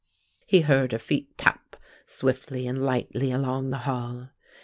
He heard her feet tap swiftly and lightly along the hall.